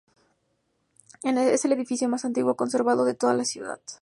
Es el edificio más antiguo conservado de toda la ciudad.